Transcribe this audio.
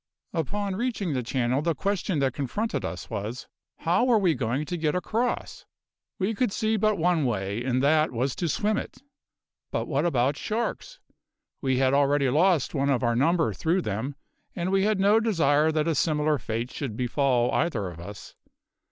"Upon reaching the channel the question that confronted us was: How were we going to get across? We could see but one way, and that was to swim it. But what about sharks? We had already lost one of our number through them, and we had no desire that a similar fate should befall either of us.